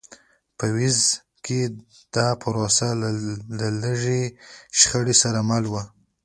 په ویلز کې دا پروسه له لږې شخړې سره مل وه.